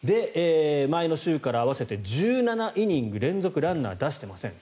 前の週から合わせて１７イニング連続ランナー出してません。